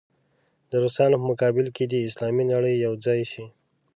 د روسانو په مقابل کې دې اسلامي نړۍ یو ځای شي.